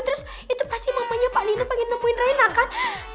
terus itu pasti mamanya pak lina pengen nemuin raina kan